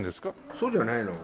そうじゃないの？